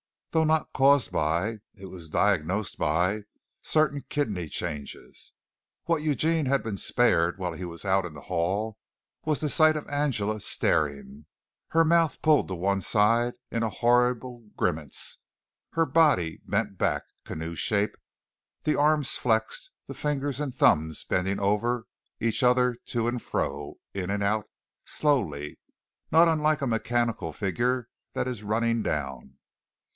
Though not caused by, it was diagnosed by, certain kidney changes. What Eugene had been spared while he was out in the hall was the sight of Angela staring, her mouth pulled to one side in a horrible grimace, her body bent back, canoe shape, the arms flexed, the fingers and thumbs bending over each other to and fro, in and out, slowly, not unlike a mechanical figure that is running down.